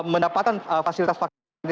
mendapatkan fasilitas vaksinasi